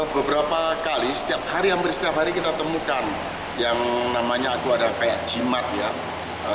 beberapa kali setiap hari hampir setiap hari kita temukan yang namanya aku ada kayak jimat ya